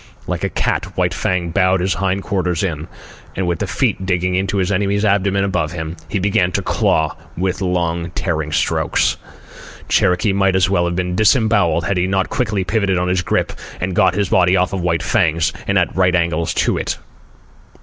Like a cat, White Fang bowed his hind quarters in, and, with the feet digging into his enemy's abdomen above him, he began to claw with long tearing strokes. Cherokee might well have been disembowelled had he not quickly pivoted on his grip and got his body off of White Fang's and at right angles to it.